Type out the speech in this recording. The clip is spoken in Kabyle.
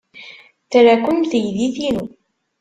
Tra-ken teydit-inu.